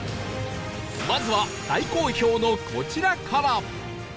まずは大好評のこちらから！